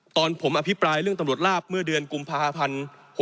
ตอนผมอภิปรายเรื่องตำรวจลาบเมื่อเดือนกุมภาพันธ์๖๖